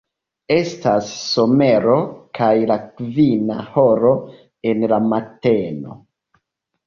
Estas somero kaj la kvina horo en la mateno.